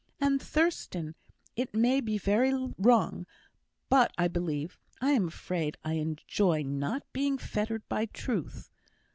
And, Thurstan it may be very wrong but I believe I am afraid I enjoy not being fettered by truth.